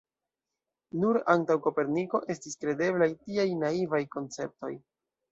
Nur antaŭ Koperniko estis kredeblaj tiaj naivaj konceptoj.